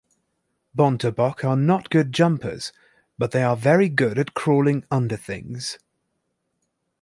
Bontebok are not good jumpers, but they are very good at crawling under things.